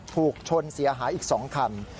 ถูกชนเสียหายอีก๒คัน